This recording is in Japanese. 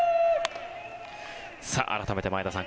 改めて前田さん